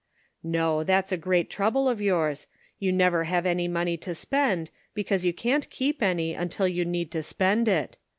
"No, that's a great trouble of yours; you never have any money to spend, because you can't keep any until you need to spend it.